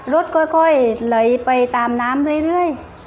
รถค่อยไหลไปตามน้ำเรื่อย